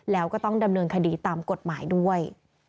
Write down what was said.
แล้วก็ต้องดำเนินคดีตามกฎหมายด้วย